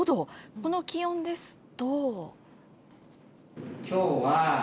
この気温ですと。